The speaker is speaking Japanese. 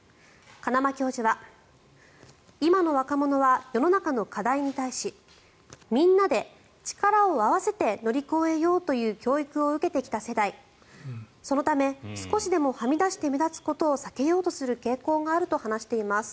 金間教授は今の若者は世の中の課題に対しみんなで、力を合わせて乗り越えようという教育を受けてきた世代そのため、少しでもはみ出して目立つことを避けようとする傾向があると話しています。